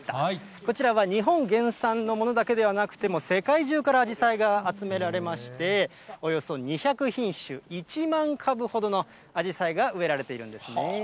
こちらは日本原産のものだけではなくて、もう世界中からあじさいが集められまして、およそ２００品種、１万株ほどのあじさいが植えられているんですね。